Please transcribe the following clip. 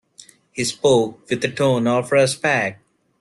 He spoke with a tone of respect.